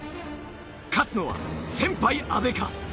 勝つのは先輩阿部か？